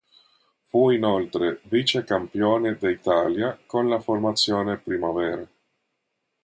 Fu inoltre vice campione d'Italia con la formazione Primavera.